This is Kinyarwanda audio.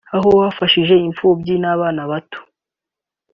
aho bafashije imfubyi n’abana bato